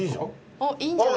あっいいんじゃない？